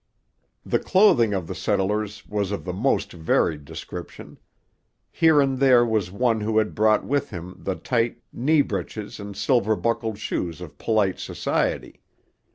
The clothing of the settlers was of the most varied description. Here and there was one who had brought with him the tight knee breeches and silver buckled shoes of polite society.